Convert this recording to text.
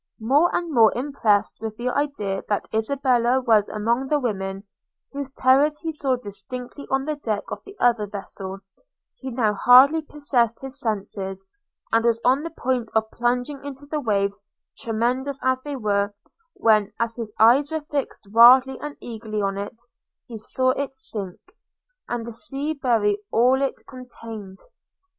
More and more impressed with the idea that Isabella was among the women, whose terrors he saw distinctly on the deck of the other vessel, he now hardly possessed his senses, and was on the point of plunging into the waves, tremendous as they were – when, as his eyes were fixed wildly and eagerly on it, he saw it sink, and the sea bury all it contained!